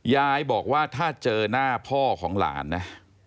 ยายบอกว่าถ้าเจอหน้าพ่อของหลานนะ